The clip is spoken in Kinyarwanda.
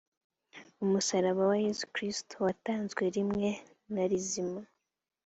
umusaraba wa yesu kristo watanzwe rimwe na rizima